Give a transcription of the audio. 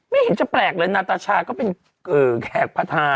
ไม่เห็นจะแปลกเลยนาตาชาก็เป็นแขกพาทา